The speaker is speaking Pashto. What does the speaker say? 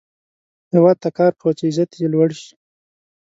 هیواد ته کار کوه، چې عزت یې لوړ شي